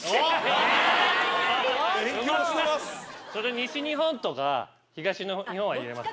西日本とか東日本は言えます？